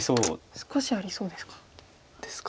少しありそうですか。